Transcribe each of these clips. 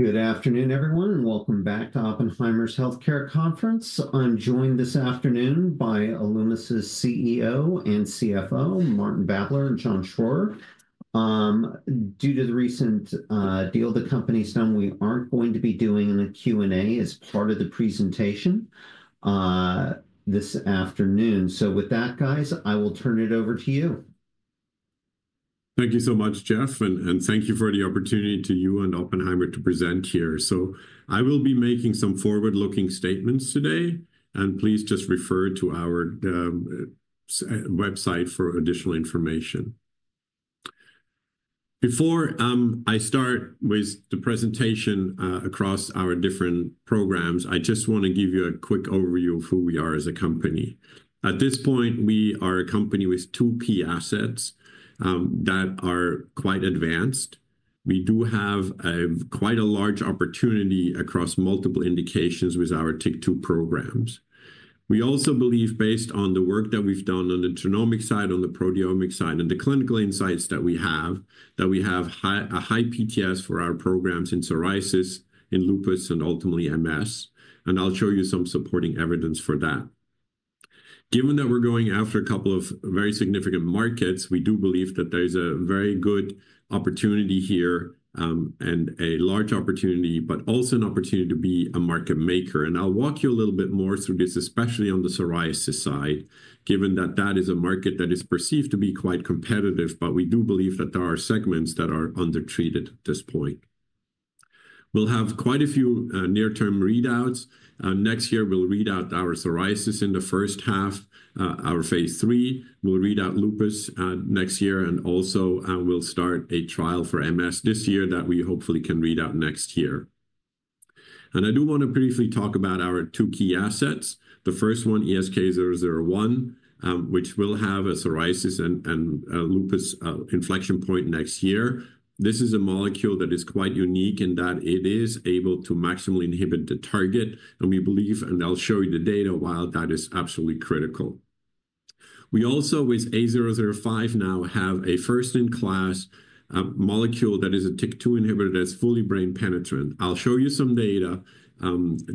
Good afternoon, everyone, and welcome back to Oppenheimer's Healthcare Conference. I'm joined this afternoon by Alumis's CEO and CFO, Martin Babler, and John Schroer. Due to the recent deal the company's done, we aren't going to be doing the Q&A as part of the presentation this afternoon. So with that, guys, I will turn it over to you. Thank you so much, Jeff, and thank you for the opportunity to you and Oppenheimer to present here. So I will be making some forward-looking statements today, and please just refer to our website for additional information. Before I start with the presentation across our different programs, I just want to give you a quick overview of who we are as a company. At this point, we are a company with two key assets that are quite advanced. We do have quite a large opportunity across multiple indications with our TYK2 programs. We also believe, based on the work that we've done on the genomic side, on the proteomic side, and the clinical insights that we have, that we have a high PTS for our programs in psoriasis, in lupus, and ultimately MS, and I'll show you some supporting evidence for that. Given that we're going after a couple of very significant markets, we do believe that there's a very good opportunity here and a large opportunity, but also an opportunity to be a market maker, and I'll walk you a little bit more through this, especially on the psoriasis side, given that that is a market that is perceived to be quite competitive, but we do believe that there are segments that are undertreated at this point. We'll have quite a few near-term readouts. Next year, we'll read out our psoriasis in the first half, our Phase III. We'll read out lupus next year, and also we'll start a trial for MS this year that we hopefully can read out next year, and I do want to briefly talk about our two key assets. The first one, ESK-001, which will have a psoriasis and lupus inflection point next year. This is a molecule that is quite unique in that it is able to maximally inhibit the target, and we believe, and I'll show you the data why that is absolutely critical. We also, with A-005, now have a first-in-class molecule that is a TYK2 inhibitor that's fully brain penetrant. I'll show you some data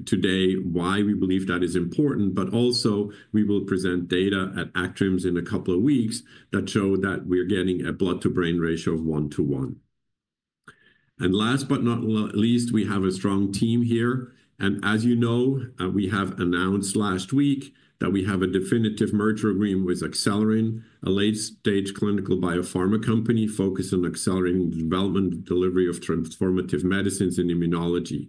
today why we believe that is important, but also we will present data at ACTRIMS in a couple of weeks that show that we're getting a blood-to-brain ratio of one to one. And last but not least, we have a strong team here. And as you know, we have announced last week that we have a definitive merger agreement with Acelyrin, a late-stage clinical biopharma company focused on accelerating the development and delivery of transformative medicines in immunology.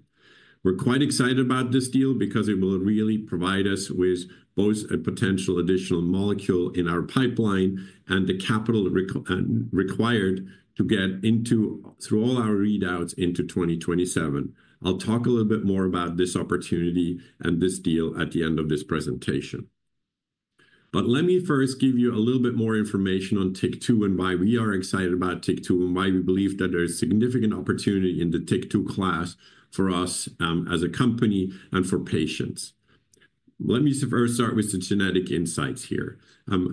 We're quite excited about this deal because it will really provide us with both a potential additional molecule in our pipeline and the capital required to get into, through all our readouts, into 2027. I'll talk a little bit more about this opportunity and this deal at the end of this presentation. But let me first give you a little bit more information on TYK2 and why we are excited about TYK2 and why we believe that there is significant opportunity in the TYK2 class for us as a company and for patients. Let me first start with the genetic insights here.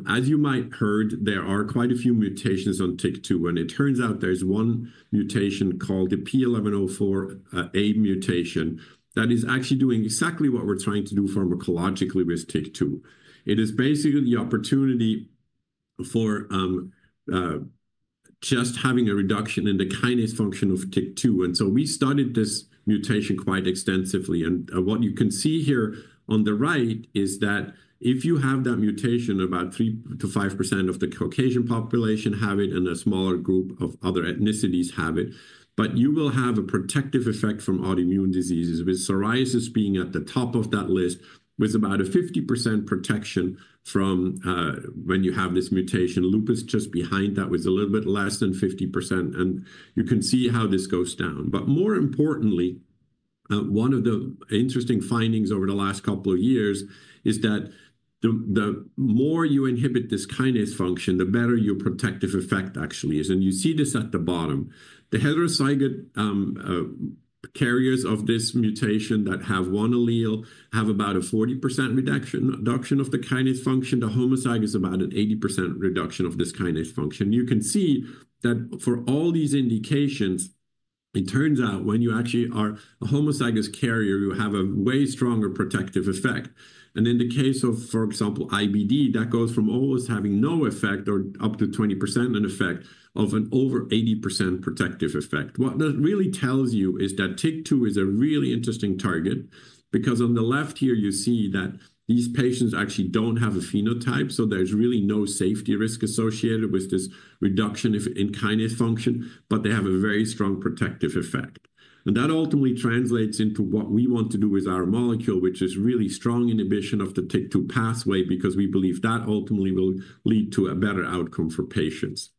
As you might have heard, there are quite a few mutations on TYK2, and it turns out there's one mutation called the P1104A mutation that is actually doing exactly what we're trying to do pharmacologically with TYK2. It is basically the opportunity for just having a reduction in the kinase function of TYK2. So we studied this mutation quite extensively, and what you can see here on the right is that if you have that mutation, about 3%-5% of the Caucasian population have it, and a smaller group of other ethnicities have it, but you will have a protective effect from autoimmune diseases, with psoriasis being at the top of that list, with about a 50% protection from when you have this mutation. Lupus just behind that with a little bit less than 50%, and you can see how this goes down. More importantly, one of the interesting findings over the last couple of years is that the more you inhibit this kinase function, the better your protective effect actually is. You see this at the bottom. The heterozygous carriers of this mutation that have one allele have about a 40% reduction of the kinase function. The homozygous has about an 80% reduction of this kinase function. You can see that for all these indications, it turns out when you actually are a homozygous carrier, you have a way stronger protective effect. And in the case of, for example, IBD, that goes from almost having no effect or up to 20% an effect of an over 80% protective effect. What that really tells you is that TYK2 is a really interesting target because on the left here, you see that these patients actually don't have a phenotype, so there's really no safety risk associated with this reduction in kinase function, but they have a very strong protective effect. And that ultimately translates into what we want to do with our molecule, which is really strong inhibition of the TYK2 pathway because we believe that ultimately will lead to a better outcome for patients.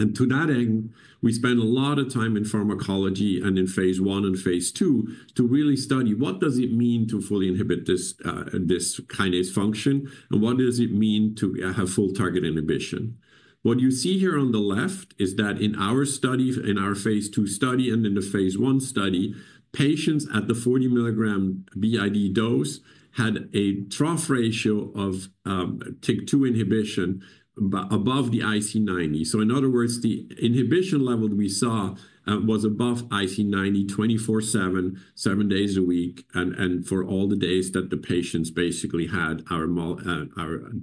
And to that end, we spend a lot of time in pharmacology and in Phase I and Phase II to really study what does it mean to fully inhibit this kinase function and what does it mean to have full target inhibition. What you see here on the left is that in our study, in our Phase II study and in the Phase I study, patients at the 40 milligram BID dose had a trough ratio of TYK2 inhibition above the IC90. So in other words, the inhibition level we saw was above IC90 24/7, seven days a week, and for all the days that the patients basically had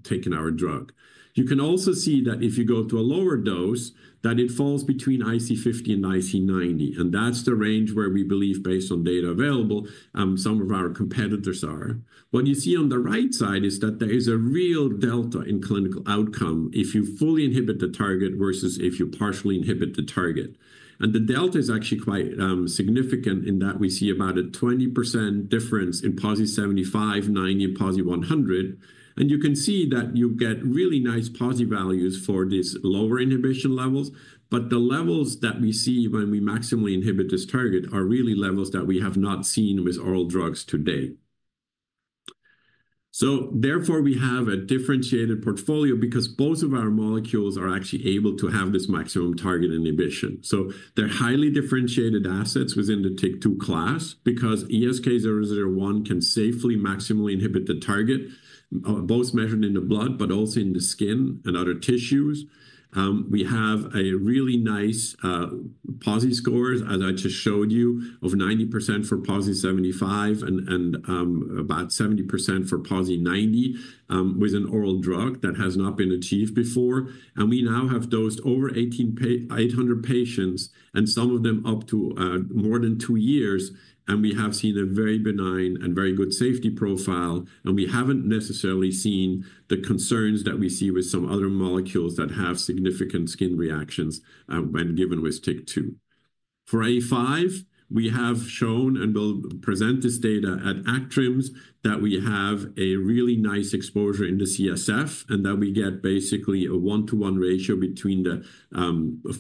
taken our drug. You can also see that if you go to a lower dose, that it falls between IC50 and IC90, and that's the range where we believe, based on data available, some of our competitors are. What you see on the right side is that there is a real delta in clinical outcome if you fully inhibit the target versus if you partially inhibit the target. And the delta is actually quite significant in that we see about a 20% difference in PASI 75, 90, and PASI 100. And you can see that you get really nice PASI values for these lower inhibition levels, but the levels that we see when we maximally inhibit this target are really levels that we have not seen with oral drugs today. So therefore, we have a differentiated portfolio because both of our molecules are actually able to have this maximum target inhibition. They're highly differentiated assets within the TYK2 class because ESK-001 can safely maximally inhibit the target, both measured in the blood, but also in the skin and other tissues. We have a really nice PASI scores, as I just showed you, of 90% for PASI 75 and about 70% for PASI 90 with an oral drug that has not been achieved before. We now have dosed over 800 patients and some of them up to more than two years, and we have seen a very benign and very good safety profile, and we haven't necessarily seen the concerns that we see with some other molecules that have significant skin reactions when given with TYK2. For A-005, we have shown and will present this data at ACTRIMS that we have a really nice exposure in the CSF and that we get basically a one-to-one ratio between the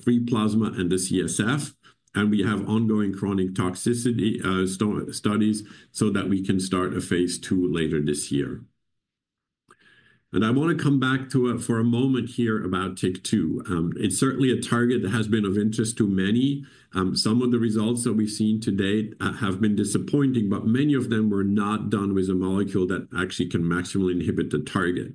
free plasma and the CSF, and we have ongoing chronic toxicity studies so that we can start a Phase II later this year. And I want to come back for a moment here about TYK2. It's certainly a target that has been of interest to many. Some of the results that we've seen to date have been disappointing, but many of them were not done with a molecule that actually can maximally inhibit the target.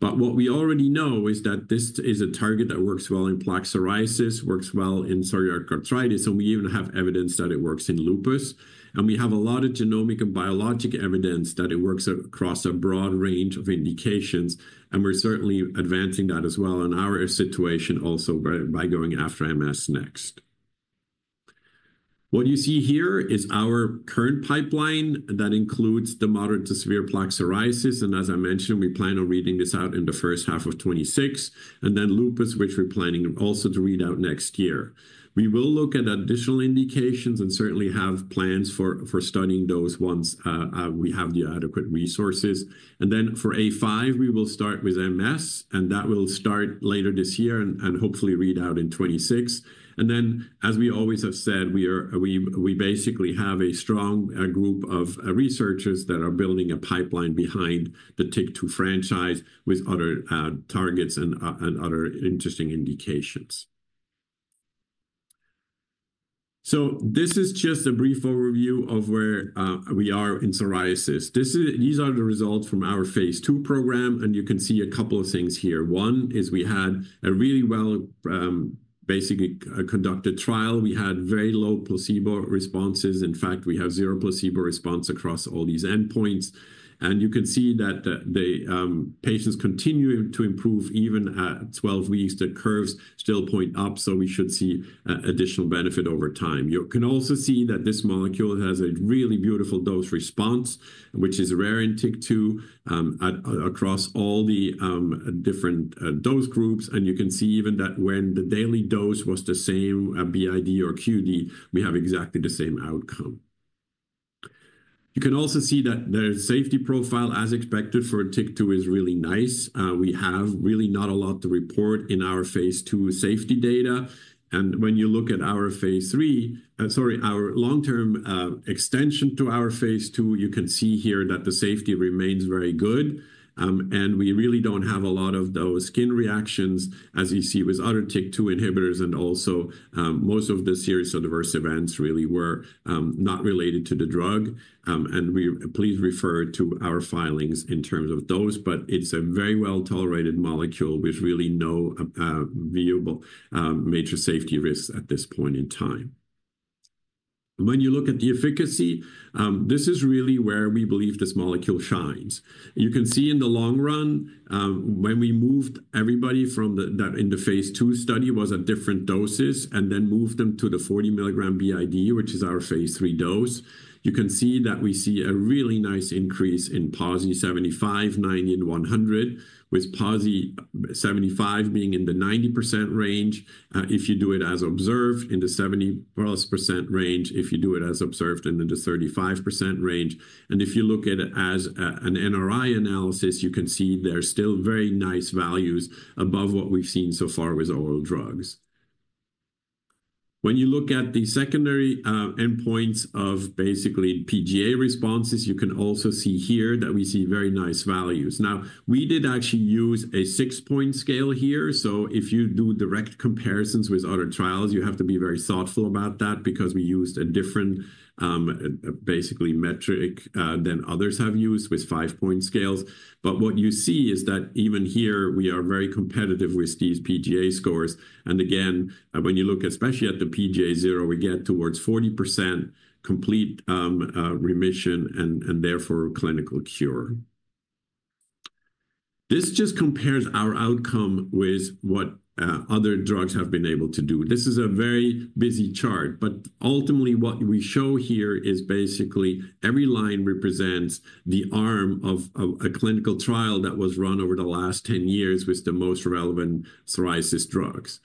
But what we already know is that this is a target that works well in plaque psoriasis, works well in psoriatic arthritis, and we even have evidence that it works in lupus. And we have a lot of genomic and biologic evidence that it works across a broad range of indications, and we're certainly advancing that as well in our situation also by going after MS next. What you see here is our current pipeline that includes the moderate to severe plaque psoriasis, and as I mentioned, we plan on reading this out in the first half of 2026, and then lupus, which we're planning also to read out next year. We will look at additional indications and certainly have plans for studying those once we have the adequate resources. And then for A5, we will start with MS, and that will start later this year and hopefully read out in 2026. And then, as we always have said, we basically have a strong group of researchers that are building a pipeline behind the TYK2 franchise with other targets and other interesting indications. So this is just a brief overview of where we are in psoriasis. These are the results from our Phase II program, and you can see a couple of things here. One is we had a really well-conducted trial. We had very low placebo responses. In fact, we have zero placebo response across all these endpoints. And you can see that the patients continue to improve even at 12 weeks. The curves still point up, so we should see additional benefit over time. You can also see that this molecule has a really beautiful dose response, which is rare in TYK2 across all the different dose groups. You can see even that when the daily dose was the same BID or QD, we have exactly the same outcome. You can also see that the safety profile, as expected for TYK2, is really nice. We have really not a lot to report in our Phase II safety data. When you look at our Phase III, sorry, our long-term extension to our Phase II, you can see here that the safety remains very good, and we really don't have a lot of those skin reactions, as you see with other TYK2 inhibitors. Also, most of the serious adverse events really were not related to the drug. Please refer to our filings in terms of those, but it's a very well-tolerated molecule with really no viewable major safety risks at this point in time. When you look at the efficacy, this is really where we believe this molecule shines. You can see in the long run, when we moved everybody from that in the Phase II study was at different doses and then moved them to the 40 milligram BID, which is our Phase III dose, you can see that we see a really nice increase in PASI 75, 90, and 100, with PASI 75 being in the 90% range if you do it as observed in the 70-plus% range if you do it as observed in the 35% range. And if you look at it as an NRI analysis, you can see there's still very nice values above what we've seen so far with oral drugs. When you look at the secondary endpoints of basically PGA responses, you can also see here that we see very nice values. Now, we did actually use a six-point scale here, so if you do direct comparisons with other trials, you have to be very thoughtful about that because we used a different basically metric than others have used with five-point scales. But what you see is that even here, we are very competitive with these PGA scores. And again, when you look especially at the PGA zero, we get towards 40% complete remission and therefore clinical cure. This just compares our outcome with what other drugs have been able to do. This is a very busy chart, but ultimately, what we show here is basically every line represents the arm of a clinical trial that was run over the last 10 years with the most relevant psoriasis drugs.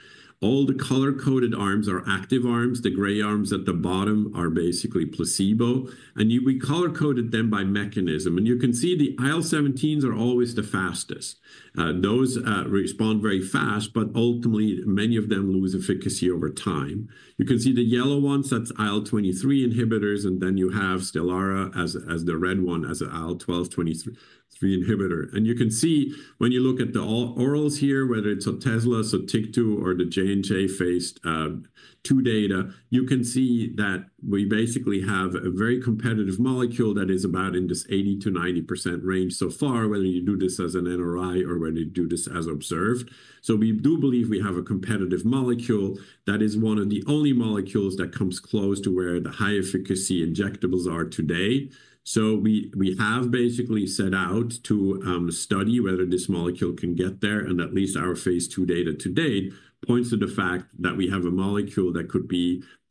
All the color-coded arms are active arms. The gray arms at the bottom are basically placebo, and we color-coded them by mechanism. And you can see the IL-17s are always the fastest. Those respond very fast, but ultimately, many of them lose efficacy over time. You can see the yellow ones, that's IL-23 inhibitors, and then you have Stelara as the red one as an IL-12-23 inhibitor. And you can see when you look at the orals here, whether it's Otezla, so TYK2, or the J&J Phase II data, you can see that we basically have a very competitive molecule that is about in this 80%-90% range so far, whether you do this as an NRI or whether you do this as observed. So we do believe we have a competitive molecule that is one of the only molecules that comes close to where the high-efficacy injectables are today. We have basically set out to study whether this molecule can get there, and at least our Phase II data to date points to the fact that we have a molecule that could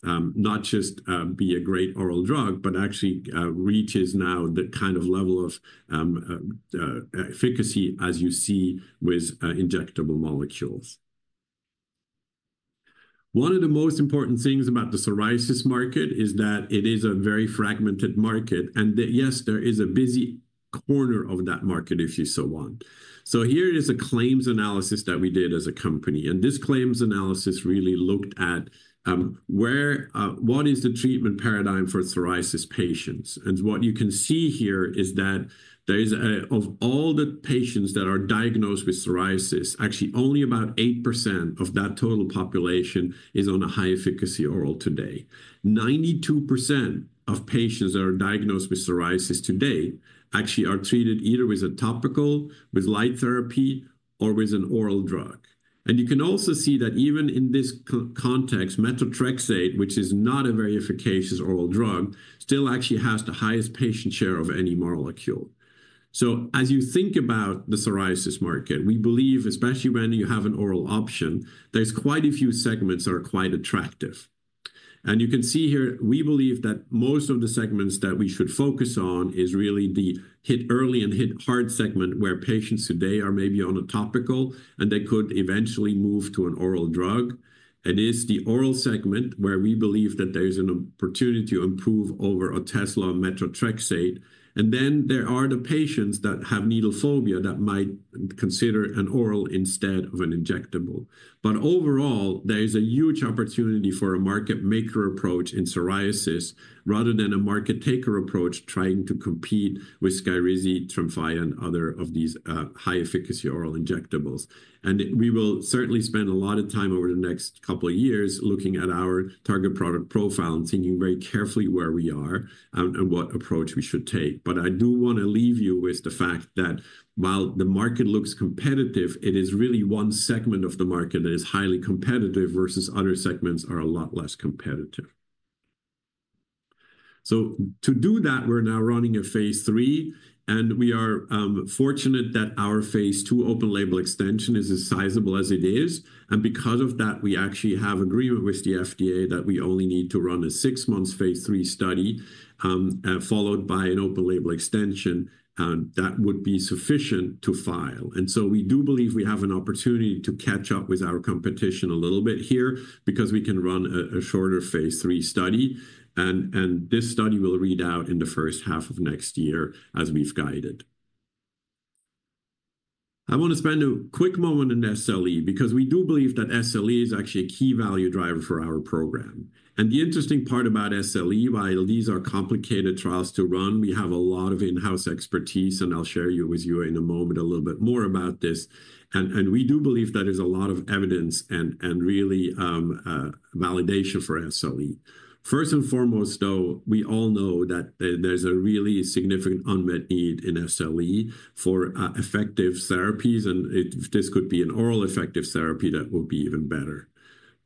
not just be a great oral drug, but actually reaches now the kind of level of efficacy, as you see with injectable molecules. One of the most important things about the psoriasis market is that it is a very fragmented market, and yes, there is a busy corner of that market, if you so want. Here is a claims analysis that we did as a company. This claims analysis really looked at what is the treatment paradigm for psoriasis patients. What you can see here is that there is, of all the patients that are diagnosed with psoriasis, actually only about 8% of that total population is on a high-efficacy oral today. 92% of patients that are diagnosed with psoriasis today actually are treated either with a topical, with light therapy, or with an oral drug, and you can also see that even in this context, methotrexate, which is not a very efficacious oral drug, still actually has the highest patient share of any molecule, so as you think about the psoriasis market, we believe, especially when you have an oral option, there's quite a few segments that are quite attractive, and you can see here, we believe that most of the segments that we should focus on is really the hit early and hit hard segment where patients today are maybe on a topical, and they could eventually move to an oral drug. It is the oral segment where we believe that there's an opportunity to improve over Otezla and methotrexate. And then there are the patients that have needle phobia that might consider an oral instead of an injectable. But overall, there's a huge opportunity for a market maker approach in psoriasis rather than a market taker approach trying to compete with Skyrizi, Tremfya, and other of these high-efficacy oral injectables. And we will certainly spend a lot of time over the next couple of years looking at our target product profile and thinking very carefully where we are and what approach we should take. But I do want to leave you with the fact that while the market looks competitive, it is really one segment of the market that is highly competitive versus other segments that are a lot less competitive. So to do that, we're now running a Phase III, and we are fortunate that our Phase II open label extension is as sizable as it is. Because of that, we actually have agreement with the FDA that we only need to run a six-month Phase III study followed by an open label extension that would be sufficient to file. And so we do believe we have an opportunity to catch up with our competition a little bit here because we can run a shorter Phase III study. And this study will read out in the first half of next year as we've guided. I want to spend a quick moment in SLE because we do believe that SLE is actually a key value driver for our program. And the interesting part about SLE, while these are complicated trials to run, we have a lot of in-house expertise, and I'll share with you in a moment a little bit more about this. We do believe that there's a lot of evidence and really validation for SLE. First and foremost, though, we all know that there's a really significant unmet need in SLE for effective therapies, and if this could be an oral effective therapy, that would be even better.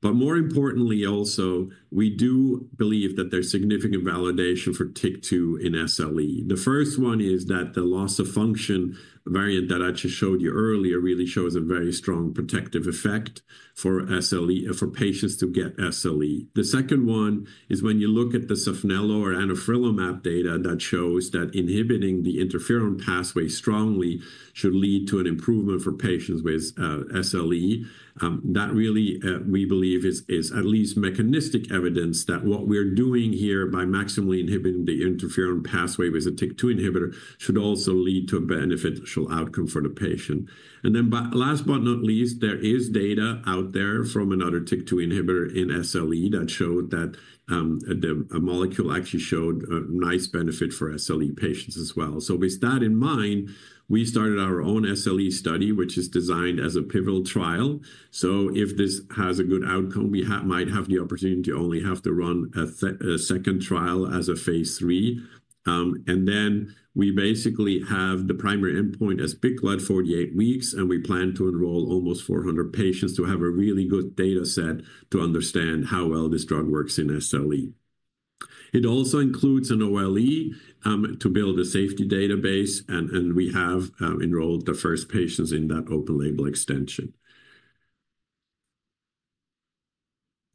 More importantly, also, we do believe that there's significant validation for TYK2 in SLE. The first one is that the loss of function variant that I just showed you earlier really shows a very strong protective effect for patients to get SLE. The second one is when you look at the Safnelo or anifrolumab data that shows that inhibiting the interferon pathway strongly should lead to an improvement for patients with SLE. That really, we believe, is at least mechanistic evidence that what we're doing here by maximally inhibiting the interferon pathway with a TYK2 inhibitor should also lead to a beneficial outcome for the patient. And then last but not least, there is data out there from another TYK2 inhibitor in SLE that showed that a molecule actually showed a nice benefit for SLE patients as well. So with that in mind, we started our own SLE study, which is designed as a pivotal trial. So if this has a good outcome, we might have the opportunity to only have to run a second trial as a Phase III. And then we basically have the primary endpoint as BICLA 48 weeks, and we plan to enroll almost 400 patients to have a really good data set to understand how well this drug works in SLE. It also includes an OLE to build a safety database, and we have enrolled the first patients in that open label extension.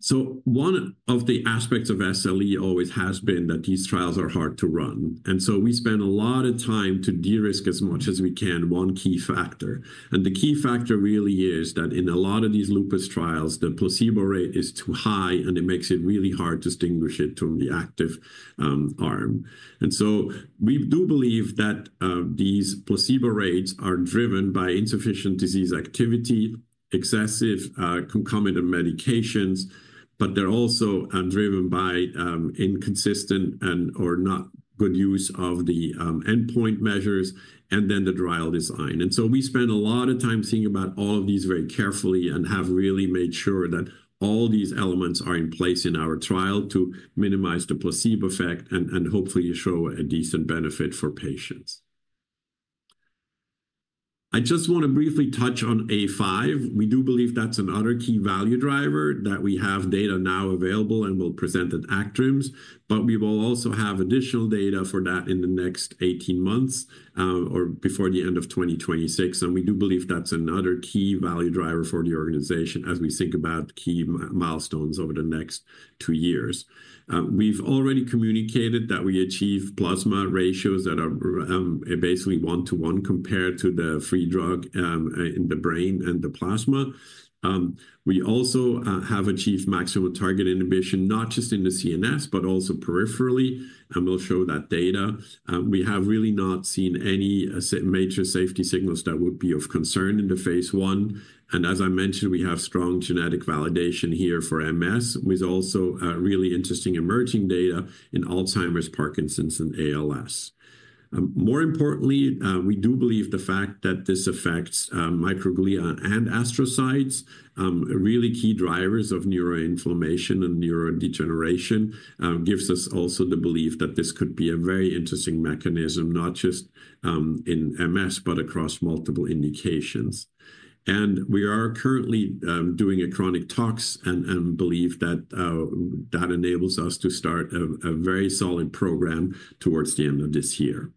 So one of the aspects of SLE always has been that these trials are hard to run. And so we spend a lot of time to de-risk as much as we can one key factor. And the key factor really is that in a lot of these lupus trials, the placebo rate is too high, and it makes it really hard to distinguish it from the active arm. And so we do believe that these placebo rates are driven by insufficient disease activity, excessive concomitant medications, but they're also driven by inconsistent and/or not good use of the endpoint measures and then the trial design. And so we spend a lot of time thinking about all of these very carefully and have really made sure that all these elements are in place in our trial to minimize the placebo effect and hopefully show a decent benefit for patients. I just want to briefly touch on A-005. We do believe that's another key value driver that we have data now available and will present at ACTRIMS, but we will also have additional data for that in the next 18 months or before the end of 2026. And we do believe that's another key value driver for the organization as we think about key milestones over the next two years. We've already communicated that we achieve plasma ratios that are basically one-to-one compared to the free drug in the brain and the plasma. We also have achieved maximum target inhibition, not just in the CNS, but also peripherally, and we'll show that data. We have really not seen any major safety signals that would be of concern in the Phase I. And as I mentioned, we have strong genetic validation here for MS with also really interesting emerging data in Alzheimer's, Parkinson's, and ALS. More importantly, we do believe the fact that this affects microglia and astrocytes, really key drivers of neuroinflammation and neurodegeneration, gives us also the belief that this could be a very interesting mechanism, not just in MS, but across multiple indications. And we are currently doing a chronic tox and believe that that enables us to start a very solid program towards the end of this year.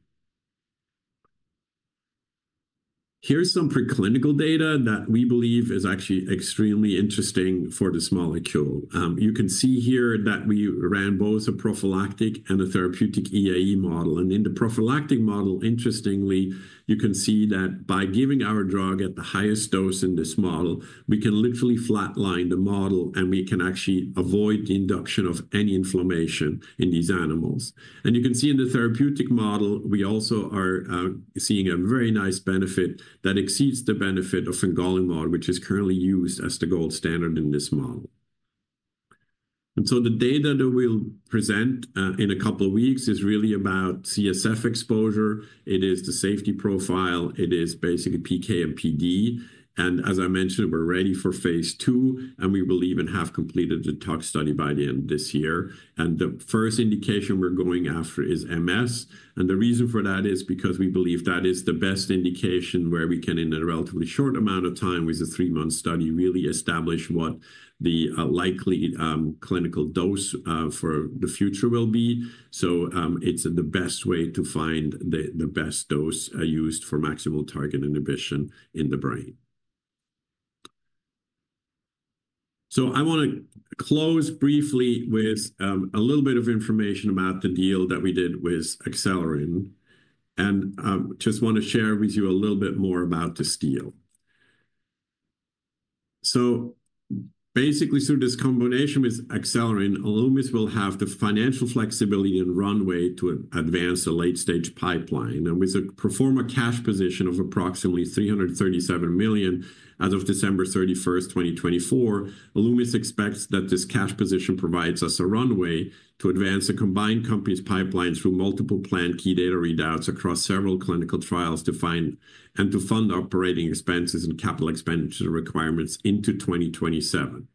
Here's some preclinical data that we believe is actually extremely interesting for this molecule. You can see here that we ran both a prophylactic and a therapeutic EAE model. And in the prophylactic model, interestingly, you can see that by giving our drug at the highest dose in this model, we can literally flatline the model, and we can actually avoid the induction of any inflammation in these animals. And you can see in the therapeutic model, we also are seeing a very nice benefit that exceeds the benefit of fingolimod, which is currently used as the gold standard in this model. And so the data that we'll present in a couple of weeks is really about CSF exposure. It is the safety profile. It is basically PK and PD. And as I mentioned, we're ready for Phase II, and we believe and have completed the tox study by the end of this year. And the first indication we're going after is MS. And the reason for that is because we believe that is the best indication where we can, in a relatively short amount of time with a three-month study, really establish what the likely clinical dose for the future will be. So it's the best way to find the best dose used for maximal target inhibition in the brain. So I want to close briefly with a little bit of information about the deal that we did with Acelyrin. And I just want to share with you a little bit more about this deal. So basically, through this combination with Acelyrin, Alumis will have the financial flexibility and runway to advance a late-stage pipeline. With a pro forma cash position of approximately $337 million as of December 31st, 2024, Alumis expects that this cash position provides us a runway to advance a combined companies pipeline through multiple planned key data readouts across several clinical trials to find and to fund operating expenses and capital expenditure requirements into 2027.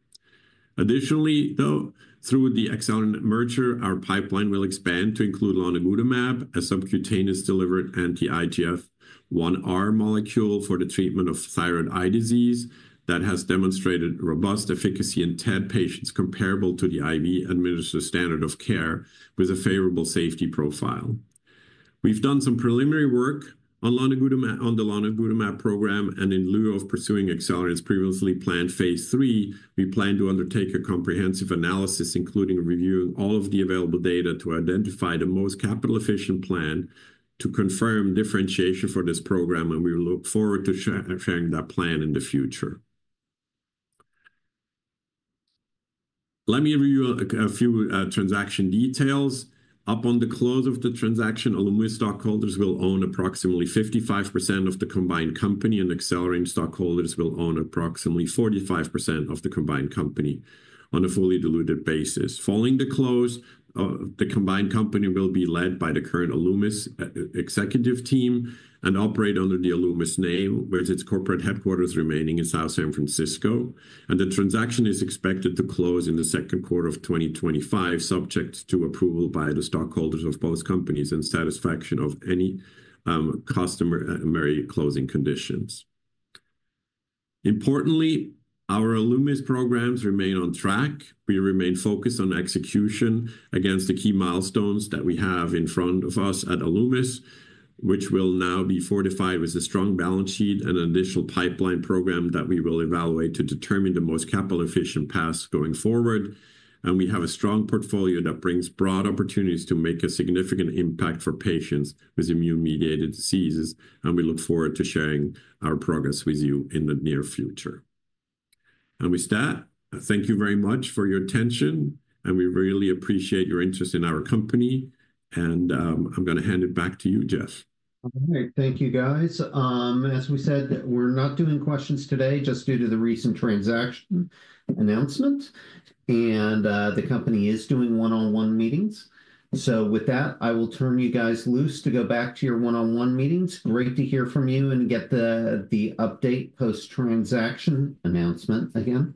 Additionally, though, through the Acelyrin merger, our pipeline will expand to include lonigutamab, a subcutaneously delivered anti-IGF-1R molecule for the treatment of thyroid eye disease that has demonstrated robust efficacy in TED patients comparable to the IV-administered standard of care with a favorable safety profile. We've done some preliminary work on the lonigutamab program, and in lieu of pursuing Acelyrin's previously planned Phase III, we plan to undertake a comprehensive analysis, including reviewing all of the available data to identify the most capital-efficient plan to confirm differentiation for this program, and we look forward to sharing that plan in the future. Let me review a few transaction details. Upon the close of the transaction, Alumis stockholders will own approximately 55% of the combined company, and Acelyrin stockholders will own approximately 45% of the combined company on a fully diluted basis. Following the close, the combined company will be led by the current Alumis executive team and operate under the Alumis name, with its corporate headquarters remaining in South San Francisco. And the transaction is expected to close in the second quarter of 2025, subject to approval by the stockholders of both companies and satisfaction of any customary closing conditions. Importantly, our Alumis programs remain on track. We remain focused on execution against the key milestones that we have in front of us at Alumis, which will now be fortified with a strong balance sheet and an additional pipeline program that we will evaluate to determine the most capital-efficient paths going forward. And we have a strong portfolio that brings broad opportunities to make a significant impact for patients with immune-mediated diseases, and we look forward to sharing our progress with you in the near future. And with that, thank you very much for your attention, and we really appreciate your interest in our company. And I'm going to hand it back to you, Jeff. All right. Thank you, guys. As we said, we're not doing questions today just due to the recent transaction announcement, and the company is doing one-on-one meetings, so with that, I will turn you guys loose to go back to your one-on-one meetings. Great to hear from you and get the update post-transaction announcement again,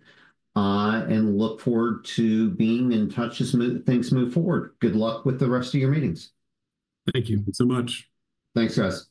and look forward to being in touch as things move forward. Good luck with the rest of your meetings. Thank you so much. Thanks, guys.